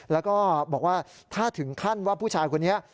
แล้วก็บอกว่าถ้าถึงขั้นว่าผู้ชายคนนี้